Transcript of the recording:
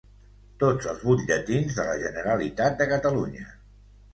Tots els butlletins de la Generalitat de Catalunya.